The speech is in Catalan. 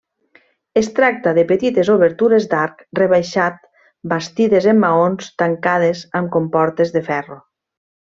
Es tracta de petites obertures d'arc rebaixat bastides en maons, tancades amb comportes de ferro.